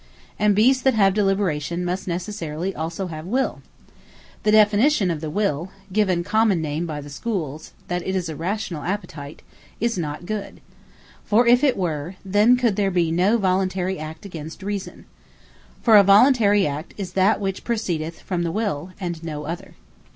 And Beasts that have Deliberation must necessarily also have Will. The Definition of the Will, given commonly by the Schooles, that it is a Rationall Appetite, is not good. For if it were, then could there be no Voluntary Act against Reason. For a Voluntary Act is that, which proceedeth from the Will, and no other.